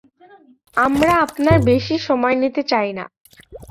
আমরা আপনার বেশি সময় নিতে চাই না।